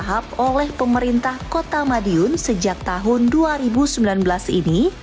tahap oleh pemerintah kota madiun sejak tahun dua ribu sembilan belas ini